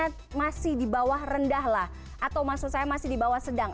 karena masih di bawah rendah lah atau maksud saya masih di bawah sedang